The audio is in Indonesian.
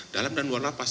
dalam dan luar lapas